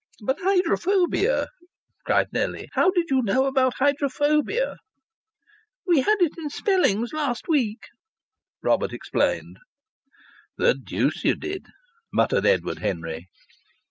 "But hydrophobia!" cried Nellie. "How did you know about hydrophobia?" "We had it in spellings last week," Robert explained. "The deuce you did!" muttered Edward Henry.